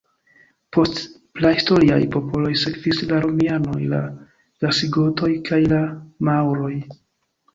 Post prahistoriaj popoloj sekvis la Romianoj, la Visigotoj kaj la Maŭroj.